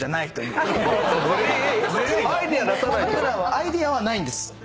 アイデアはないんです。